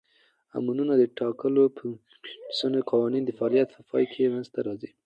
امونونه د ټاکلو فونیټیکښي قوانینو د فعالیت په پای کښي منځ ته راځي.